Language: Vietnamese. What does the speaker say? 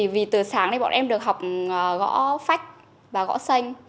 vì từ sáng nay bọn em được học gõ phách và gõ xanh